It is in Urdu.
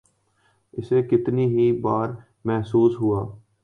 اسے کتنی ہی بار محسوس ہوا۔